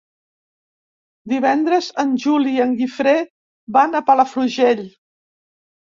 Divendres en Juli i en Guifré van a Palafrugell.